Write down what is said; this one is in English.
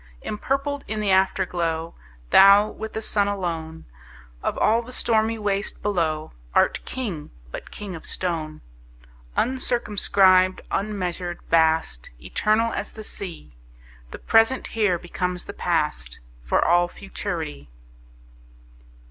Empurpled in the Afterglow, Thou, with the Sun alone, Of all the stormy waste below, Art King, but king of stone! Uncircumscribed, unmeasured, vast, Eternal as the Sea, The present here becomes the past, For all futurity.